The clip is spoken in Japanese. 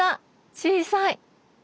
小さい！